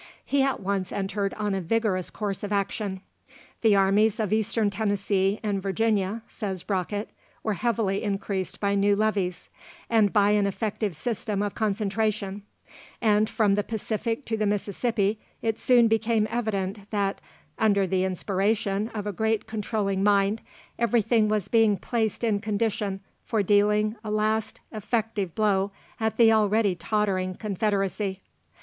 He at once entered on a vigorous course of action. "The armies of Eastern Tennessee and Virginia," says Brockett, "were heavily increased by new levies, and by an effective system of concentration; and from the Pacific to the Mississippi it soon became evident that, under the inspiration of a great controlling mind, everything was being placed in condition for dealing a last effective blow at the already tottering Confederacy."